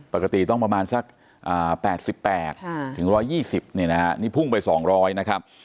ปกติต้องประมาณสัก๘๘๑๒๐นี่นะฮะนี่พุ่งไป๒๐๐นะครับ